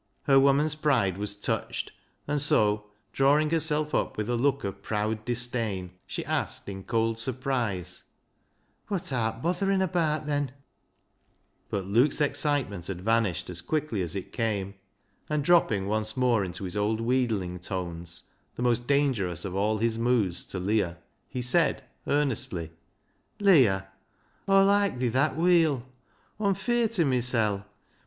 Her woman's pride was touched, and so, drawing herself up with a look of proud disdain, she asked in cold surprise —" Wot art botherin' abaat, then ?" But Luke's excitement had vanished as quickly as it came, and dropping once more into his old wheedling tones, — the most danger ous of all his moods to Leah, — he said earnestly —"■ Leah ! Aw loike thi that weel, Aw'm feart o' mysel'.